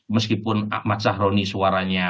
meskipun ahmad sahroni suaranya